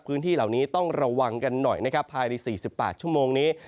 พื้นที่เหล่านี้ต้องระวังกันหน่อยนะครับภายใน๔๘ชั่วโมงนี้